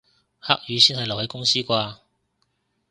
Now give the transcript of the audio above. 黑雨先係留喺公司啩